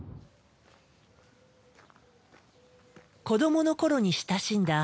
子どもの頃に親しんだ